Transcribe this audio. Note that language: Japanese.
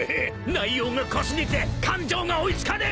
内容が濃すぎて感情が追い付かねえべ！